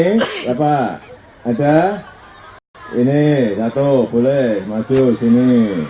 hai apa ada ini satu boleh masuk sini